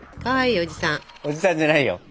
おじさんじゃないよ。